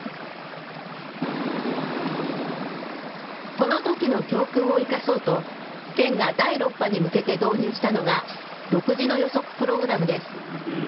このときの教訓を生かそうと、県が第６波に向けて導入したのが、独自の予測プログラムです。